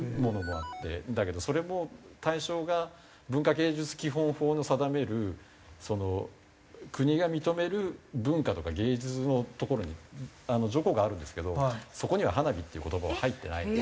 だけどそれも対象が文化芸術基本法の定めるその国が認める文化とか芸術のところに条項があるんですけどそこには「花火」っていう言葉は入ってないので。